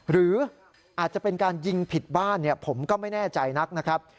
หรืออาจจะเป็นการยิงผิดบ้านผมก็ไม่แน่ใจนักนะครับ